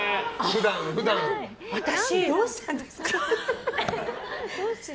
どうしたんですか？